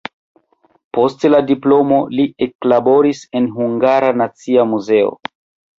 Post la diplomo li eklaboris en Hungara Nacia Muzeo.